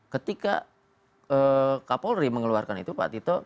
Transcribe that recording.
ketika kapolri mengeluarkan itu pak tito